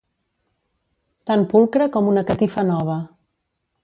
Tan pulcre com una catifa nova.